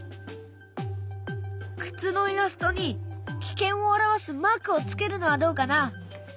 靴のイラストに危険を表すマークをつけるのはどうかな？